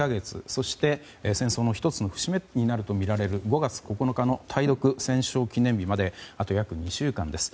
そして戦争の１つの節目になるとみられる５月９日の対独戦勝記念日まであと約２週間です。